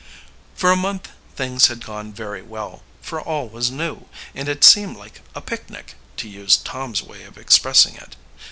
For a month things had gone very well, for all was new, and it seemed like a "picnic," to use Tom's way of expressing it.